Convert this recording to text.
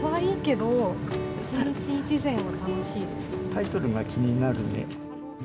タイトルが気になるね。